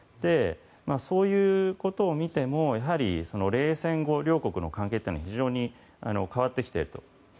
そういうことを見ても、冷戦後両国の関係というのは非常に変わってきていると。